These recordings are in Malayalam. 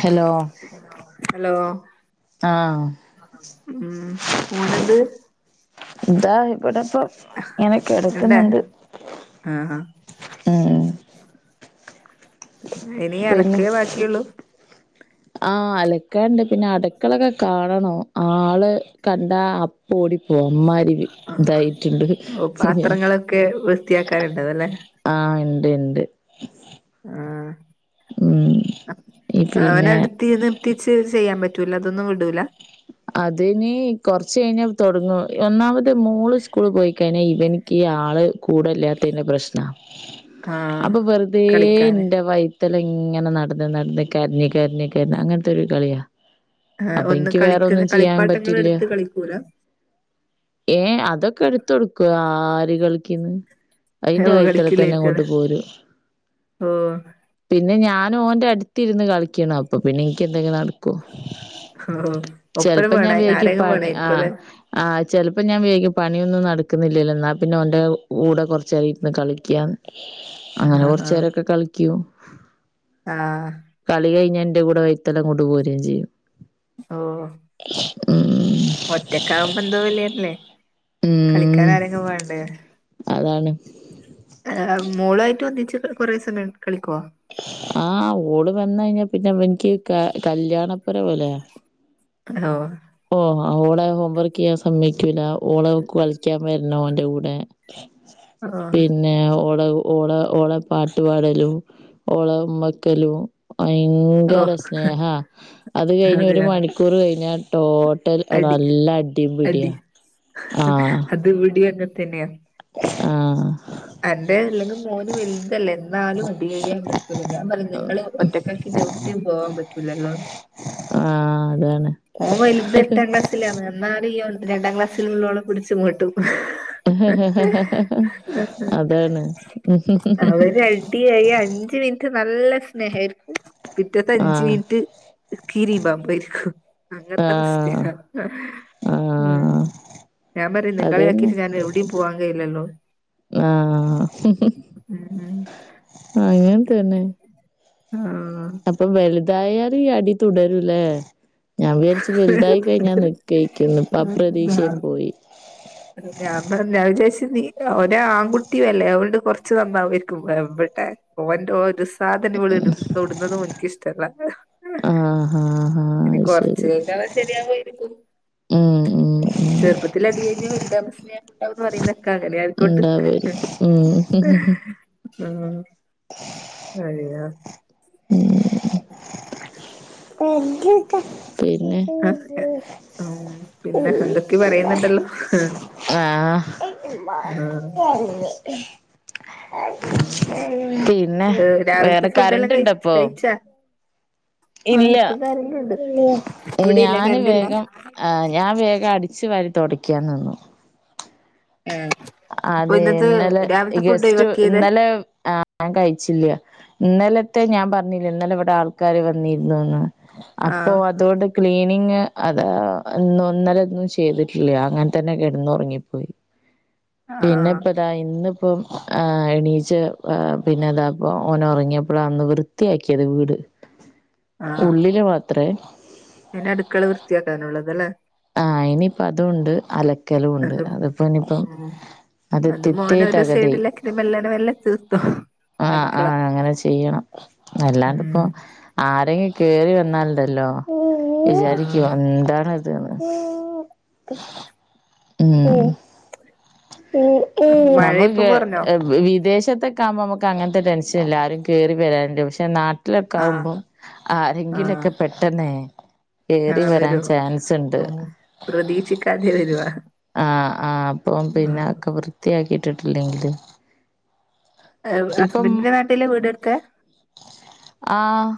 ഹെലോ അലോ ആഹാ ഉം ഓനെന്ത് ഇതാ ഇവിടെ ഇപ്പം ഇങ്ങെനെ രണ്ടാ കിടക്ന്നണ്ട് ആഹ് ആഹ് ഇനി പിന്നെ അല്ക്കേ ബാക്കിയുള്ളൂ ആഹ് അലക്കാണ്ട് പിന്നെ അടുക്കളൊക്കെ കാണണോ ആള് കണ്ട അപ് പ്പോ ഓടിപ്പോവും അമ്മാരി ഇതായിട്ടുണ്ട് ഓ [unintelligible] പാത്രങ്ങളൊക്കെ വൃത്തിയാക്കാനുണ്ടാവല്ലേ ആഹ് ഇണ്ട് ഇണ്ട് ആഹ് ഉം ആ ഞാന് പിന്നെ എടുത്തിന്ന് എത്തിച്ച് ചെയ്യാൻ പറ്റൂല അതൊന്നും വിടൂല അതിന് കുറച്ച് കഴിഞ്ഞാ തുടങ്ങും ഒന്നാമത്തെ മൂള് സ്കൂള് പോയിക്കഴിഞ്ഞാൽ ഇവനി ഈ ആള് കൂടല്ലാത്തതിന്റെ പ്രശ്നാ [inaudible] അപ്പൊ വെറുതെ കളിക്കാന് ഇന്റെ വൈ വൈതലെ ഇങ്ങനെ നട്ന്ന് നട്ന്ന് കര്ഞ്ഞി കര്ഞ്ഞി കരിഞ്ഞ് അങ്ങനത്തെ ഒരു കളിയാ ആഹ് അപ്പൊ ഒന്ന് എനിക്ക് വേറെ കളിക്ക്ന്ന ഒന്നും ചെയ്യാൻ കളിപ്പാട്ടങ്ങളൾ പറ്റില്ല എടുത്ത് കളിക്കൂല ഏഹ് അതൊക്കെ എടുത്തു കൊടുക്കും ആര് കൾക്കിന്ന് ഐഇന്റെ ഓ വൈത്തലെ തന്നെങ്ങോട്ട് കളിക്കില്ലായിരിക്കുംല്ലേ പോരും ഓ പിന്നെ ഞാനു ഓൻന്റെ അടുത്ത് ഇരുന്ന് കളിക്കണം. അപ്പൊ പിന്നെ എൻക്ക് എന്തെങ്കിലും നട്ക്ക്വോ ഓഹ് ചെൽപ്പോ ഞാൻ വിചാരിക്കുംവാക്കി പാ ആ ആഹ് ചിലപ്പോൾ ഞാൻ വെയ്ഗിപ്പോ പണിയൊന്നും നടക്കുന്നില്ലല്ലോ എന്നാ പിന്നെ അവന്റെ കൂടെ കൊർച്ചേയി ഇര്ന്ന് കളിക്യാന്ന് [inaudible] അങ്ങനെ കൊറച് നേേരൊക്കെ കളിക്കൂ ആഹ് കളി കഴിഞ്ഞ എന്റെ കൂടെ വൈത്തൽ അങ്ങോട്ട്‌ പോരുകയും ചെയ്യും ഓ ഉം ഒറ്റക്കാവുമ്പ എന്തോ [unintelligible] ഉം കളിക്കാൻ ആരെങ്കിലും വേണ്ടേ അതാണ്. മോളായിട്ട് വന്നിച്ച് കുറേ സമയം കളിക്കുവോ ആഹ് ഓട് വന്ന് കഴിഞ്ഞാ പിന്നെ എനിക്ക് കല്യാണപ്പുര പോലെയ ആഹ് ഓ അവളെ ഹോം വർക്ക് ചെയ്യാൻ സമ്മക്കില്ല ഓളെ കളിക്കാൻ വരണോ അവന്റെ കൂടെ ഓ പിന്നെ ഓടെ ഓള ഓള പാട്ടുപാടലും ഓള ഉമ്മവക്കലും ഓ ഭയങ്കര സ്നേഹാ അത് കഴിഞ്ഞ് ഒരു അതെയ മണിക്കൂർ കഴിഞ്ഞ ട്ടോ അടി നല്ല അടിയും പിടിയാ ആഹ് ഇത് ഇവിടെയും അങ്ങന തന്നെയ ആഹ് എന്റെ അല്ലെങ്കും മോന് വലുതല്ലെ എന്നാലും [unintelligible] ഞാൻ പറഞ്ഞ നിങ്ങള് [unintelligible] ആഹ് അതാണ് ഓൻ വലുത് എട്ടാം ക്ലാസ്സിലാണ് എന്നാ അറിയല്ലോ രണ്ടാം ക്ലാസ്സിൽലുള്ളോള പിടിച്ച് [unintelligible] അതാണ് ഉം അവര് അടിയായി അഞ്ചു മിനിറ്റ് നല്ല സ്നേഹ പിറ്റത്തെ അഞ്ചു ആഹ് മിനിറ്റ് [unintelligible] അങ്ങനത്തെ ആഹ്. അവസ്ഥയാ ഉം ആഹ് ഞാൻ പറയും നിങ്ങളെ അതന്നെ ആക്കിട്ട് ഞാൻ എവിടെയും പോവാൻ കഴിയില്ലല്ലോ ആഹ് ഉം അങ്ങനെ തന്നെ ആഹ് അപ്പൊ വലുതായാലും ഈ അടി തുടരൂല്ലേ ഞാൻ വിചാരിച്ചു വലുതായി കഴിഞ്ഞാ തുടരും. നിക്കയിരിക്കുന്നു ഇപ്പൊ ആ പ്രതീക്ഷയും പോയി ഞാൻ പറഞ്ഞ് ഞാൻ വിചാരിച്ച് നീ ഒരു ആൺകുട്ടി അല്ലേ അതൊണ്ട് കൊറച്ച്ു നന്നാവരിക്കുംവരും ട്ടെ ഓന്റെ ഒരു സാധന ഇവിള ഇ ഇടുന്നതും ക്കിഷ്ടല്ല ആഹ് ഹാ ഹാ എനി അത് കൊറച്ച് ശരി കഴിഞ്ഞാ ശരിയാകായിരി ക്കും ഉം ഉം ഉം ചെറുപ്പത്തിൽ അടി കഴിഞ്ഞ വലുതാമ സ്നേഹം ഉണ്ടാവന്ന് പറയുന്നൊക്കെ അങ്ങനെ ആയിക്കോട്ട് ആവുമായിരിക്കും ഉം [unintelligible] പിന്നെ ആഹ് പിന്നെ എന്തൊക്കെ പറയുന്നുണ്ടല്ലോ ആഹ് ആഹ് ആഹ് പിന്നെ ഏഹ് വേറെ രാവിലത്തെ ഫുഡെല്ലാം കഴി കറണ്ട്ണ്ട കഴിച്ചാ ആഹ് ഇല്ല ഇപ്പൊ കറന്റുണ്ട് ഇവിടെ ഇല്ല ഞാന് കറണ്ട് ഇല്ല വേഗം ആഹ് ഞാൻ വേഗം അടിച്ചു വാരി തുടക്കാൻ നിന്നു ഏഹ് അപ്പൊ അതെ ഇന്നത്തെ ഇന്നലെ രാവിലത്തെ ഫുഡ് ഗസ്റ്റ് ഒഴിവാക്കിയത് ഇന്നലെ ആഹ് ഞാൻ കഴിച്ചില്ല ഇന്നലത്തെ ഞാൻ പറഞ്ഞില്ല ഇന്നലെ ഇവിടെ ആൾക്കാര് വന്നിരുന്നുന്ന് അപ്പൊ ആഹ് അതുകൊണ്ട് ക്ലീനിങ് അതാ ഇന്നല ഒന്നും ചെയ്തിട്ടില്ല അങ്ങനെ തന്നെ കിടന്ന് ഉറങ്ങിപ്പോയി പിന്നെ ആഹ് ദാ ഇന്ന് ഇപ്പം ആഹ്‌ എണീച്ച് പിന്നെതാ ഓന ഉറങ്ങിയപ്പോഴ അന്ന് വൃ വൃത്തിയാക്കിയത് വീട് ഉള്ളില് മാത്രേ പിന്നെ അടുക്കള വൃത്തിയാക്കാനുള്ളത് അല്ലേ ആഹ് അയിനിയിപ്പ അതും ഉണ്ട് അലക്കലും ഉണ്ട് അതും അതിപ്പോ ഇനിയിപ്പം ഉം അത് മോന് തിത്തയ് ഒരു തകതയ് സൈഡിലാക്കി മെല്ലനെ മെല്ലെ തീർത്തു ആഹ് അടുക്കള ആഹ് അങ്ങനെ ചെയ്യണം അല്ലാണ്ട് ഉം ഇപ്പൊ ആരെങ്കിലും കേറി വന്നാലുണ്ടല്ലോ ആ വിചാരിക്കുവാ എന്താണ്അതെന്ന് ഉം മഴ ഇപ്പം നമ്മുക്ക് കുറഞ്ഞോ വിദേശത്ത,, ആകുമ്പോ നമുക്ക്ങ്ങന ടെൻഷൻ ഇല്ല ആരുംകയറി വരാനുണ്ട് പക്ഷെ നാട്ടി വട്ടിലൊക്കെ ആ ആകുമ്പോ ആ ആരെങ്കിലൊക്കെ പെട്ട ആ കേറി വരാൻ വരും ചാൻ,, ഇണ്ട് ഉം പ്രതീക്ഷിക്കാതെ വരുവാ ആ ആ അപ്പോ ആ പിന്നാക്കം വൃത്തിയാക്കിയിട്ടിട്ടില്ലെങ്കിൽ അ ഹസ്ബൻറിന്റെ നാട്ടിലെ വീടെടുക്ക ആഹ്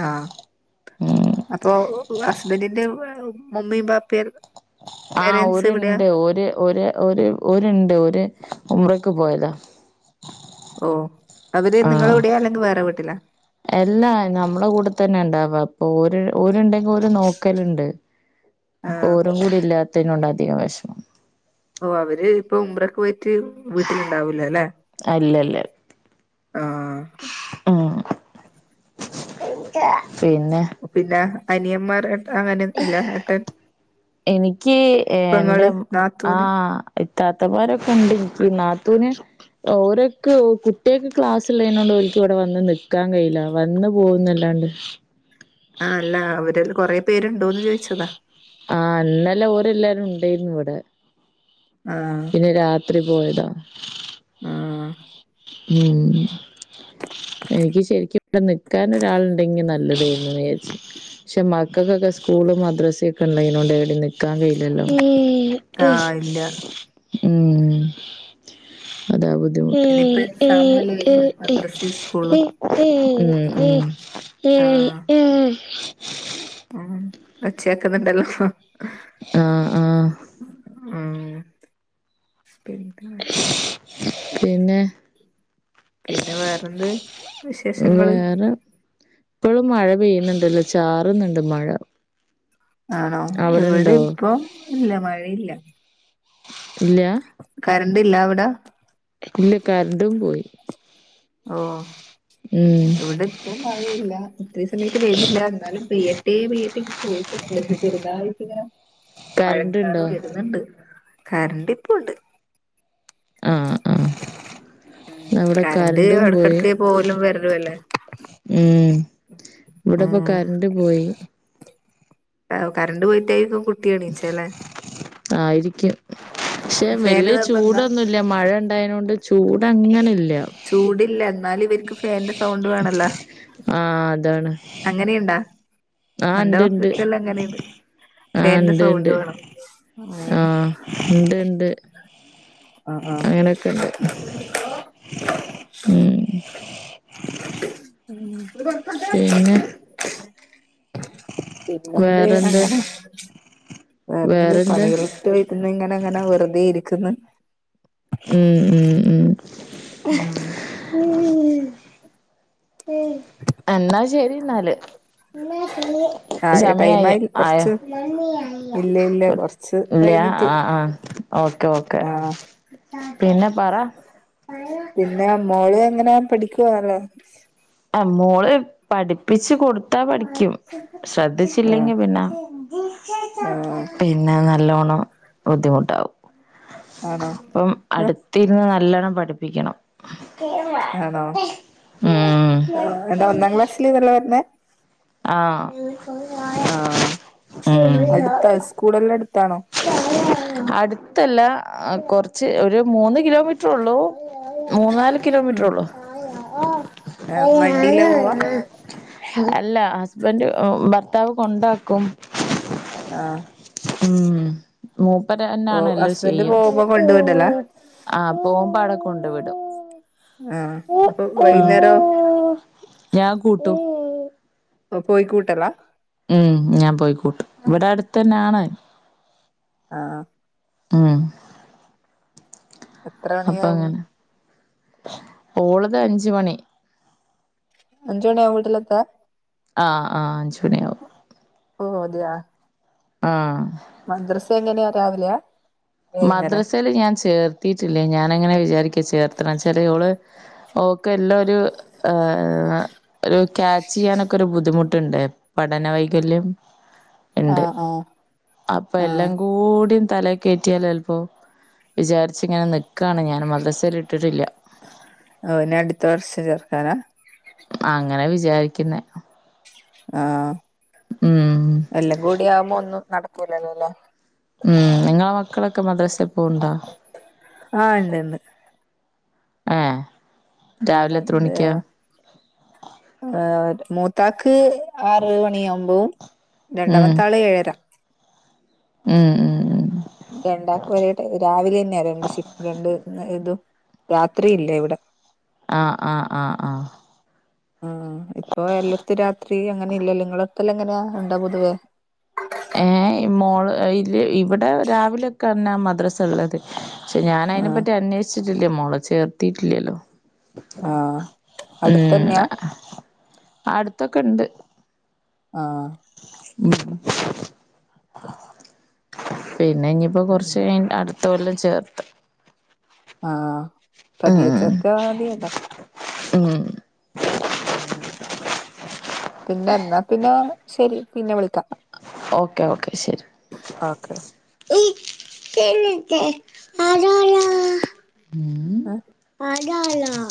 ആഹ് ഉം അപ്പൊ ഹസ്ബൻറിന്റെ ഉമ്മിയും പാപ്പയും ആഹ് പേരൻറ്സ് ഓര് എവിടെയാ ണ്ട് ഓര് ഓര് ഓര് ഓര് ഒണ്ട് ഒരു ഉമ്മ്റക്ക് പോയതാ ഓ അവര് നിങ്ങളെ ആഹ് എവിടെയാ അല്ലെങ്കിൽ വേറെ വീട്ടില എല്ലാ നമ്മള കൂടെ തന്നെ ഉണ്ടവാ അപ്പൊ ഓര് ഒണ്ടെങ്കിൽ ഓര് നോക്കലുണ്ട് ആ ഓരും കൂടി ഇല്ലാത്തതിന കൊണ്ട് അധികം വിഷമം ഓ അവര് ഇപ്പൊ ഉമ്മറയ്ക്കു പോയിറ്റ് വീട്ടിലുണ്ടാവൂലോ അല്ലെ അല്ലല്ല ആഹ് ഉം പിന്നെ പിന്നെ അനിയന്മാർ അങ്ങനെ ഇല്ല ഏട്ടൻ എനിക്ക് എന്റെ പെങ്ങള് നാത്തൂന് ആഹ് ഇത്താത്തമാാരൊക്കെ ഉണ്ടിനിക്ക് നാത്തൂന് ഓരക്ക് കുട്ടിയൊക്കെ ക്ലാസ്ള്ളതിനോണ്ട് ഒരിക്കും ഇവിടെ വന്ന് നിൽക്കാൻ കയില്ല വന്നു പോകുന്നല്ലാണ്ട് ആഹ് അല്ല അവര് അത് കൊറെ പേരുണ്ടോന്ന് ചോദിച്ചതാ ആഹ് അല്ലല്ല ഓര് എല്ലാരും ഉണ്ടായിരുന്നു ഇവിടെ ആഹ് പിന്നെ രാത് ത്രീ പോയതാ ആഹ് ഉം എനിക്ക് ശരിക്കും ഇവിടെ നിക്കാൻ ഒരാളുണ്ടെങ്കിൽ നല്ലതെ എന്ന് വിചാരിച്ചു പക്ഷെ മക്കൾക്കൊക്കെ സ്കൂള് മദ്രസേക്കെ ഉണ്ട് അയിനാണ്ട് ഇവിടെ നിക്ക്,, കാം കഴിയില്ലല്ലോ ആഹ് ഇല്ല ഉം ഉം അതാ ബുദ്ധിമുട്ട് ഇനിയിപ്പോ എക്സാമല്ലേ വരുന്നെ ഉം മദ്രസയും സ്കൂളും ഉം ഒച്ചകേക്കു ക്കുന്നുണ്ടല്ലോ ആഹ് ആഹ് ആ പിന്നെ [inaudible] പിന്നെ പിന്നെ വേറെന്ത് വിശേഷങ്ങള് ഇപ്പോഴും മഴ പെയ്യുന്നുണ്ടല്ലോ ചാറുന്നുണ്ട് മഴ ആണോ ഇവിടെ അവിടെണ്ടോ ഇപ്പൊ ഇല്ല മഴയില്ല ഇല്ല്യ കറന്റ് ഇല്ല അവിടെ ഇല്ല കറന്റും പോയി ഓ ഉം ഇവിടെ ഇപ്പം മഴയില്ല ഇത്രയും സമയത്ത് പെയ്തിട്ടില്ല, എന്നാലും പെയ്ട്ടെ പെയ്ട്ടെ ചോദിച്ചട്ട ചെറുതായിട്ട് ഇങ്ങനെ. കരണ്ട് മഴക്കാറ് ഉണ്ടോ വെരുന്നുണ്ട് കറന്റ് ഇപ്പ ഒണ്ട്. ആഹ് ആഹ് അവിടെ കറന്റ് കരണ്ടും ഇടക്ക് പോയി ഇടക്ക് പോകലും വരലും അല്ലേ. ഉം ഇവിടെ ഇപ്പൊ ഉം കറന്റ് പോയി. കറന്റ് പോയിട്ടായിരിക്കും കുട്ടി എണീറ്റെ ല്ലേ? ആയിരിക്കും പക്ഷെ ഫാന് വെല്ല്യ നിർബന്ധാ ചൂടൊന്നും ഇ ഇല്ല മഴ ഉണ്ടായതുകൊണ്ട് ചൂട് അങ്ങനെ ഇല്ല. ചൂട് ഇല്ല എന്നാല ഇവരിക്ക് ഫാന്റ് സൗണ്ട് വേണല്ലോ ആഹ് അതാണ് അങ്ങനെയുണ്ടാ ആഹ് എന്റെ ഇണ്ട് ഇണ്ട് മക്കക്കെല്ലാം അങ്ങനെയണ്ട്. ആഹ് ഫന്റെ ഇണ്ട് സൗണ്ട് ഇണ്ട് വേണം ആഹ് ഇണ്ട് ഇണ്ട് ആ ആ അങ്ങനൊക്കെ ഇണ്ട് [inaudible] [inaudible] ഉം പിന്നെ പിന്നെന്ത്, വേറെന്താ അങ്ങനെ വേറെന്ത് വേറെന്താ പണികള്? വീട്ടില് ഇങ്ങനെ അങ്ങനെ വെറതെ ഇരിക്കുന്നു. ഉം ഉം ഉ ഉ [inaudible] എന്നാ ശരി എന്നാല്. ആഹ് സമയ ആയ ടൈമായി ആയോ? കുറച്ച് ഇല്ല ഇല്ല കൊറച്ച് ഇല്ല കഴിഞ്ഞിട്ട് ആഹ ആഹ ഓക്കെ ഓക്കെ, ആഹ് പിന്നെ പറ! പിന്നെ മോളും എങ്ങനെ പഠിക്കുവാല്ലേ! മോള് പഠിപ്പിച്ച് കൊടുത്താ പഠിക്കും. ആഹ് ശ്രദ്ധിച്ചല്ലെങ്കിൽ പിന്നെ ആഹ് പിന്നെ നല്ലോണം ബുദ്ധിമുട്ടാവും, ആണോ അപ്പം അടുത്തിരുന്ന് നല്ലോണ്ണം പഠിപ്പിക്കണം, ഉം ആ എന്താ ഒന്നാം ക്ലാസ് [unintelligible] ആ ആഹ ഉം അടുത്താ, സ്കൂള എല്ലാം അടുത്താണോ? അടുത്തല്ല കുറച്ച് ഒരു മൂന്ന് കിലോമീറ ള്ളൂ മൂന്നാല് കിലോമീറ്ററൊള്ളൂ. വണ്ടിയിലാ പോവാ [unintelligible] അല്ല ഹസ്ബന്ഡ് ഭർത്താവ് കൊണ്ടാക്കും. ആ ഉം മൂപ്പരന്ന ഓ ആണ എല്ലാം ഹസ്ബൻഡ് ചെയ്യ. പോകുമ്പോ കൊണ്ട് വിടലാ ആ പോകുമ്പാ അവിടെ കൊണ്ടു വിടും. ആ അപ്പൊ വൈകുന്നേരൊ? ഞാൻ കൂട്ടും. പോയിക്കൂട്ടല. ഉം ഞാൻ പോയിക്കൂട്ടും ഇവിട ടുത്തന്നാണ്. അആ ആ എത്ര അപ്പ മണിയാവും ങ്ങനെ ഓളത് അഞ്ച് മണി. അഞ്ചു മണിയാ വീട്ടിലെത്ത? ആ ആ അഞ്ചു മണിയാവും പോ ഓ ത് ആ ആ മദ്രസ് എങ്ങനെ രാവിലയാ? മദ്രസ ല് ഞാൻ ചേർത്തിട്ടില്ല, ഞാന അങ്ങനെ വിചാരിക്ക ചേർത്തണച്ചാല് ഓള് ഓൾക്കെ എല്ലൊരു ഒരു ക്യാച്ച് ചെയ്യാനൊക്കൊരു ബുദ്ധിമുട്ടുണ്ട്, പഠനവൈകല്യം. ഇണ്ട് ആഹ് ആഹ് അപ്പോ ആഹ് എല്ലകൂടിതലേ കേറ്റി റ്റിയാലോല് പ്പോ വിചാരിച്ചിങ്ങനെ നിക്കണ് ഞാൻ മദ്രസെല് ഇട്ടിട്ടില്ല അവനെ അടുത്ത വർഷം ചേർക്കാനാ അങ്ങന വിചാരിക്കുന്നേ ആഹ് ഉം എല്ലാകൂടി ആകുമ്പോ ഒന്നും നടക്കൂലല്ലോലേ ഉം നിങ്ങളെ മക്കളൊക്കെ മദ്രസെ പോണ്ടാ ആഹ് ഇണ്ട്ണ്ട് ആഹ് ആഹ് രാവിലെ എത്ര മണിക്കാ ആഹ് മൂത്താക്ക് ആറ് മണിയാകുമ്പോ രണ്ടാമത്താള് ഏഴര മ്മ് മ്മ് മ്മ് രണ്ടാക്കു ഒരെട്ട രാവിലെ ന്നെയ രണ്ട് ഷിഫ് രണ്ട് ഇതും രാത്രി ഇല്ല ഇവടെ ആഹ് ആഹ് ആഹ് ആഹ് ആഹ് ഇപ്പോ എല്ലാടത്തും രാത്രി അങ്ങനെ ഇല്ലല്ലോ നിങ്ങളുടുത്തല്ലാം എങ്ങനെയാ ഉണ്ടാ പൊതുവേ ഏഹ് മോള് ഇൽ ഇവിടെ രാവിലക്കെന്നാ മദ്രസ ള്ളത് ക്ഷേ ഞാ അയിനെ ആഹ് പറ്റി അന്വേഷിച്ചിട്ടില്ല മോളേ ചേർത്തിട്ടില്ലല്ലോ ആഹ് ഉം അടുത്തന്നെയാ അടുത്തൊക്കെണ്ട് ആഹ് പിന്നെ ഇനി പ്പോ കൊറച്ച് കഴി അടുത്ത കൊല്ലം ചേർത്താം ആഹ് ഉം പതിയെ ഉം ചേർത്താ മതിയല്ലോ ഉം ആഹ് പിന്നെ ന്നാ പിന്നെ ശെരി പിന്നെ വിളിക്കാം ഓക്കെ ഓക്കെ ശെരി ഓക്കെ ഇ എനിക് അതാരാ ആഹ് അതാല